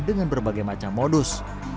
dengan berbagai macam modus